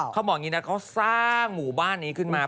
เขาบอกอย่างนี้นะเขาสร้างหมู่บ้านนี้ขึ้นมา